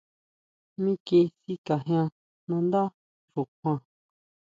Miki sikajian nandá xukjuan.